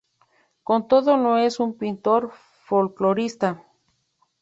Con todo no es un pintor folclorista.